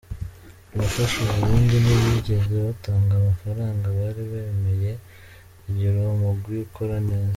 Abafasha u Burundi ntibigeze batanga amafaranga bari bemeye kugira uwo mugwi ukore neza.